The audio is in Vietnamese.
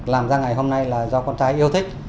làm ra ngày hôm nay là do con trai yêu thích